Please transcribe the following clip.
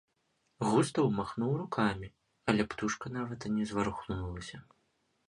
Густаў махнуў рукамі, але птушка нават і не зварухнулася.